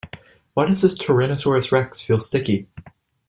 Why does this tyrannosaurus rex feel sticky?